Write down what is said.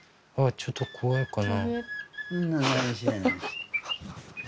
ちょっと怖いかな。